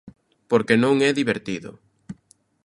Porque non é divertido.